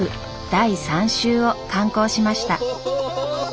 第３集を刊行しました。